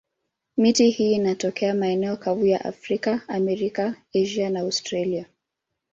Miti hii inatokea maeneo kavu ya Afrika, Amerika, Asia na Australia.